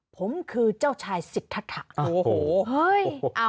ผมคือเจ้าชายสิทธัระ